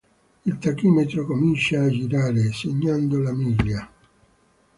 Il tachimetro comincia a girare, segnando le miglia.